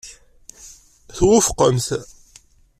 Twufqemt.